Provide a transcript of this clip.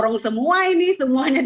nah ini semuanya